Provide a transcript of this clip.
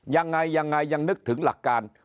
ยังไงยังนึกถึงหลักการ